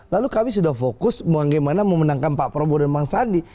lalu kami sudah fokus bagaimana memenangkan pak prabowo dan bang sandi